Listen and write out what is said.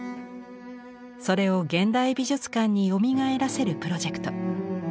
それを現代美術館によみがえらせるプロジェクト。